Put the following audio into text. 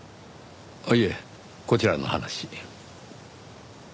あっいえこちらの話。